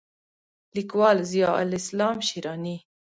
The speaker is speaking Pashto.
لیکوال: ضیاءالاسلام شېراني